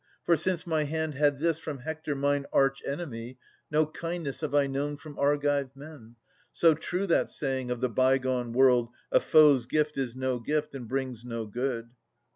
For, since my hand Had this from Hector mine arch enemy, No kindness have I known from Argive men. So true that saying of the bygone world, 'A foe's gift is no gift, and brings no good.'